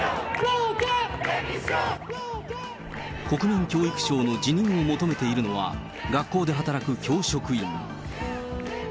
国民教育相の辞任を求めているのは、学校で働く教職員。